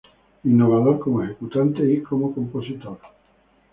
Innovador como ejecutante y como compositor.